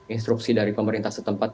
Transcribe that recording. instruksi dari pemerintah setempat